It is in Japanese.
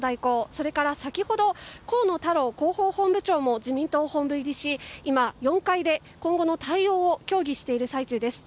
それから先ほど河野太郎広報本部長も自民党本部入りし今４階で今後の対応を協議している最中です。